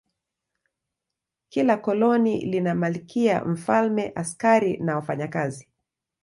Kila koloni lina malkia, mfalme, askari na wafanyakazi.